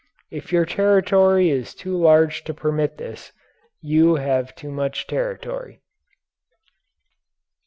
If your territory is too large to permit this, you have too much territory.